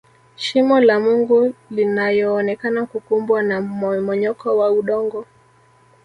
shimo la mungu linayoonekana kukumbwa na mmomonyoko wa udongo